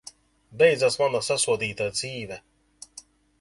Beidzās mana sasodītā dzīve!